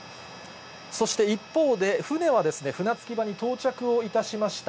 そして一方で、船はですね、船着き場に到着をいたしました。